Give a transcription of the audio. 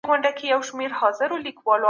حکومتونه به د خلګو غوښتنو ته غوږ ونيسي.